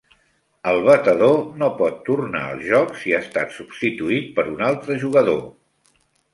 El batedor no pot tornar al joc si ha estat substituït per un altre jugador.